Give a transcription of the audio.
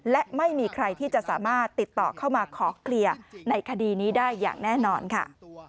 และไม่มีใครที่จะสามารถติดต่อเข้ามาขอเคลียร์ในคดีนี้ได้อย่างแน่นอนค่ะ